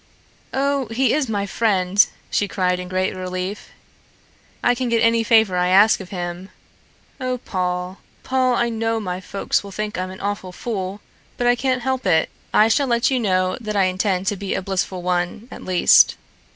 "Oh, he is my friend," she cried in great relief. "I can get any favor I ask of him. Oh, Paul, Paul, I know that my folks will think I'm an awful fool, but I can't help it. I shall let you know that I intend to be a blissful one, at least."